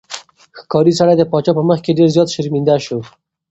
ښکاري سړی د پاچا په مخ کې ډېر زیات شرمنده شو.